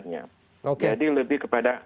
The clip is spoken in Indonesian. jadi lebih kepada